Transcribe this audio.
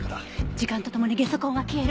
時間と共にゲソ痕は消える。